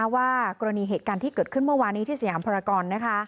ว่ากรณีเหตุการณ์ที่เกิดขึ้นเมื่อวานนี้ที่สยามภารกร